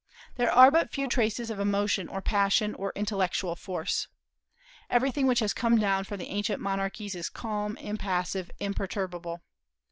There are but few traces of emotion, or passion, or intellectual force. Everything which has come down from the ancient monarchies is calm, impassive, imperturbable.